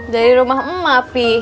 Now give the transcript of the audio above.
dari rumah emak fi